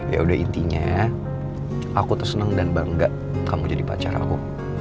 ya udah intinya aku tuh senang dan bangga kamu jadi pacar aku